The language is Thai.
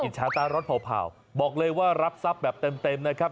ชาตารสเผ่าบอกเลยว่ารับทรัพย์แบบเต็มนะครับ